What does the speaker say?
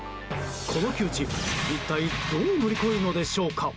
この窮地、一体どう乗り越えるのでしょうか？